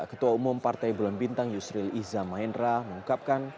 ketua umum partai bulan bintang yusril iza mahendra mengungkapkan